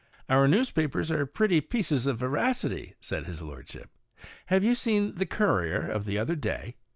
"Our newspapers are pretty pieces of veracity," said his lordship; "have you seen the Courier of the other day?